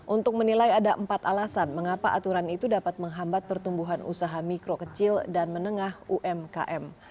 untuk menilai ada empat alasan mengapa aturan itu dapat menghambat pertumbuhan usaha mikro kecil dan menengah umkm